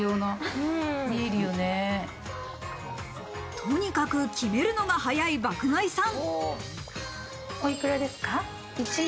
とにかく決めるのが早い爆買いさん。